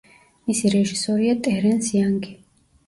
მისი რეჟისორია ტერენს იანგი.